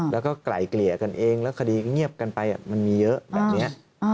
แล้วก็ไกลเกลี่ยกันเองแล้วคดีเงียบกันไปมันมีเยอะแบบนี้